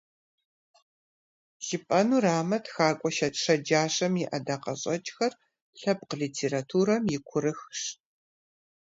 Жыпӏэнурамэ, тхакӏуэ щэджащэм и ӏэдакъэщӏэкӏхэр лъэпкъ литературэм и курыхщ.